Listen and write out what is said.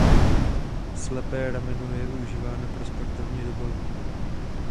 Slepé rameno je využíváno pro sportovní rybolov.